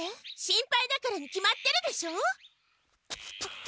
心配だからに決まってるでしょ！